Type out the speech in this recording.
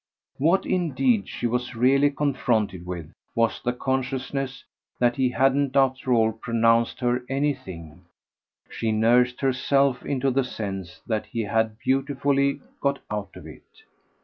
What indeed she was really confronted with was the consciousness that he hadn't after all pronounced her anything: she nursed herself into the sense that he had beautifully got out of it.